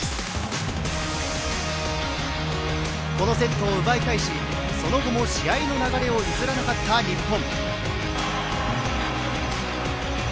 このセットを奪い返しその後も試合の流れを譲らなかった日本。